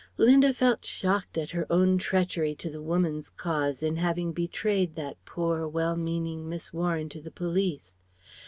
Linda felt shocked at her own treachery to the Woman's Cause in having betrayed that poor, well meaning Miss Warren to the police.